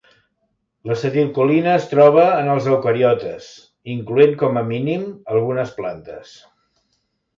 L’acetilcolina es troba en els eucariotes incloent com a mínim algunes plantes.